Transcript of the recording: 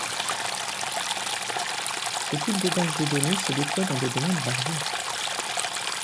Ce type de base de données se déploie dans des domaines variés.